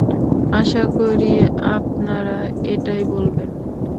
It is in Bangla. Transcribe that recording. আশা করি আপনারা এটাই বলবেন?